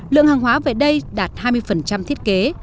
lượng hàng hóa về đây đạt hai mươi thiết kế